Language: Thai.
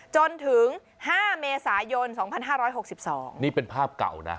จนถึงห้าเมษายนสองพันห้าร้อยหกสิบสองนี่เป็นภาพเก่านะ